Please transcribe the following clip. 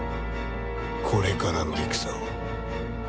これからの戦を。